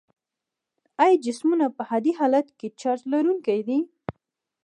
آیا جسمونه په عادي حالت کې چارج لرونکي دي؟